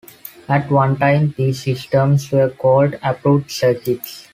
At one time these systems were called "approved circuits".